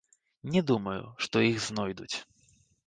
Не думаю, што іх знойдуць.